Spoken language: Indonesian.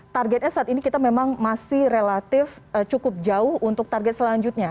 targetnya saat ini kita memang masih relatif cukup jauh untuk target selanjutnya